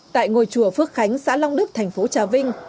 tại ngôi chùa phước khánh xã long đức thành phố trà vinh